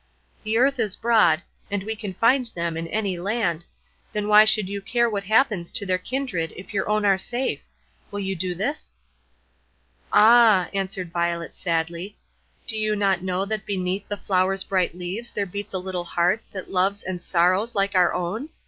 The earth is broad, and we can find them in any land, then why should you care what happens to their kindred if your own are safe? Will you do this?" "Ah!" answered Violet sadly, "do you not know that beneath the flowers' bright leaves there beats a little heart that loves and sorrows like our own?